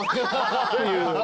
っていう。